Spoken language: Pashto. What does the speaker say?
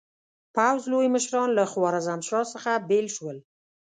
پوځ لوی مشران له خوارزمشاه څخه بېل شول.